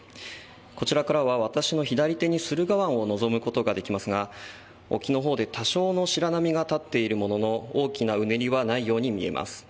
こちらからは私の左手に駿河湾を望むことができますが沖のほうで多少の白波が立っているものの大きなうねりはないように見えます。